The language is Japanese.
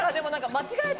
間違えた！